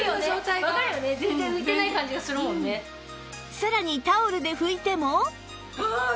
さらにタオルで拭いても